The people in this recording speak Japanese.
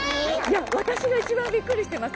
私が一番びっくりしてます。